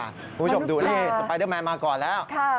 คุณผู้ชมดูสุดกันสปายเดอร์แมนมาก่อนแล้ว